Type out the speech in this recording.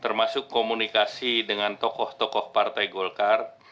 termasuk komunikasi dengan tokoh tokoh yang berpengalaman